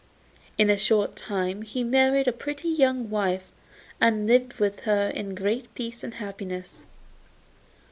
In a short time he married a pretty young wife, and lived with her in great peace and happiness.